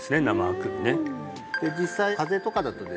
実際風邪とかだとですね